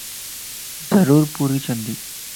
ضرور پوري ڇندي